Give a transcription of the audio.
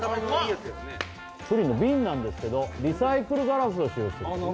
プリンの瓶なんですけどリサイクルガラスを使用しています